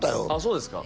そうですか？